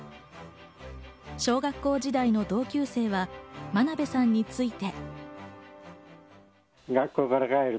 小学校時代の同級生は真鍋さんについて。